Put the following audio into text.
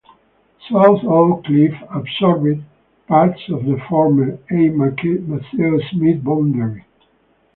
South Oak Cliff absorbed parts of the former A. Maceo Smith boundary.